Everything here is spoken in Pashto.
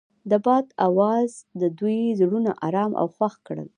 د باد اواز د دوی زړونه ارامه او خوښ کړل.